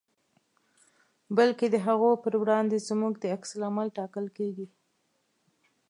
بلکې د هغو په وړاندې زموږ په عکس العمل ټاکل کېږي.